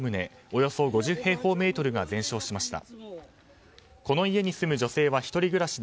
およそ５０平方メートルが全焼しました。